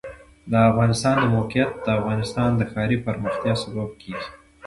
د افغانستان د موقعیت د افغانستان د ښاري پراختیا سبب کېږي.